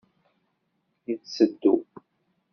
Yetteddu.